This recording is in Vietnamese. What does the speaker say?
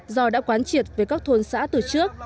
giò đã quán triệt với các thôn xã từ trước